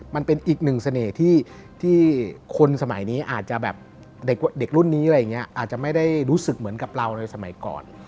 มันเป็นอีกหนึ่งเสน่ห์ที่คนสมัยนี้อาจจะแบบเด็กรุ่นนี้อะไรอย่างนี้อาจจะไม่ได้รู้สึกเหมือนกับเราในสมัยก่อน